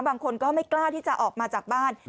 บางคนก็ไม่กล้าที่จะออกมาจากบ้าน